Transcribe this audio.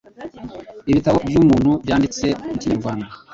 ibitabo by'ubuntu byanditse mu Kinyarwanda